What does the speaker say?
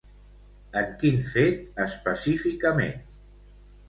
En quin fet, específicament?